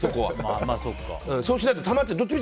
そうしないと、たまっちゃう。